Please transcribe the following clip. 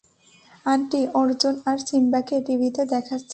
Aunty, Arjun আর সিম্বাকে টিভিতে দেখাচ্ছে।